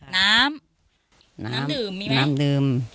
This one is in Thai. น้ำน้ำดื่มมีไหมน้ำดื่ม